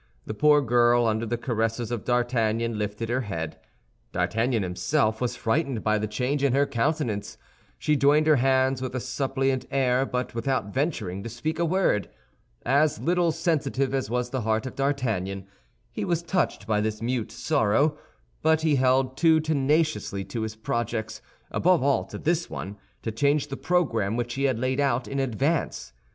The poor girl, under the caresses of D'Artagnan, lifted her head. D'Artagnan himself was frightened by the change in her countenance. She joined her hands with a suppliant air, but without venturing to speak a word. As little sensitive as was the heart of D'Artagnan, he was touched by this mute sorrow; but he held too tenaciously to his projects, above all to this one, to change the program which he had laid out in advance.